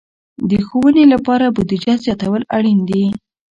د ښوونې لپاره بودیجه زیاتول اړین دي.